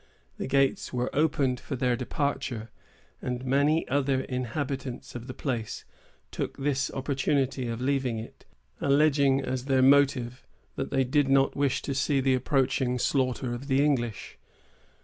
The gates were opened for their departure, and many other inhabitants of the place took this opportunity of leaving it, alleging as their motive, that they did not wish to see the approaching slaughter of the English.